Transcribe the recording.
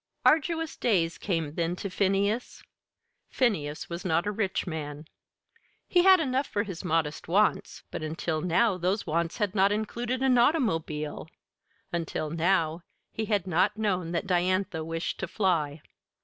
Arduous days came then to Phineas. Phineas was not a rich man. He had enough for his modest wants, but until now those wants had not included an automobile until now he had not known that Diantha wished to fly.